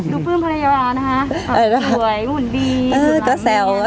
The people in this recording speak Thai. ดูพื้นพนักยาวานะคะสวยหมุนดี